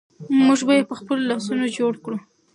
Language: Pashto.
موږ به یې په خپلو لاسونو جوړ کړو.